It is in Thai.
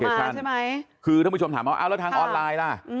คือถ้าคุณผู้ชมถามมาว่าแล้วทางออนไลน์ล่ะ